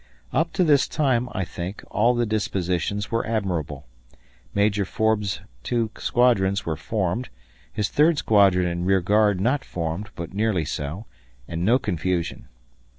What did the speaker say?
Up to this time, I think, all the dispositions were admirable. Major Forbes' two squadrons were formed, his third squadron and rear guard not formed but nearly so, and no confusion.